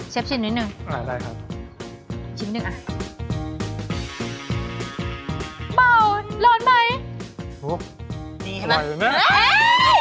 เชฟชิมนิดหนึ่งชิมหนึ่งอ่ะบ่าวร้อนไหมอุ๊ยอร่อยเลยแม่